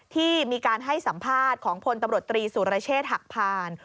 ที่มีการให้สัมภาษณ์ของผลตตรีโสรเชษหักผ่าน